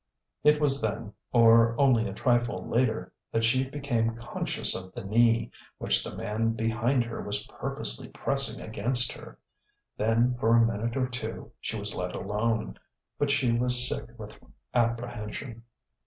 It was then, or only a trifle later, that she became conscious of the knee which the man behind her was purposely pressing against her. Then for a minute or two she was let alone. But she was sick with apprehension....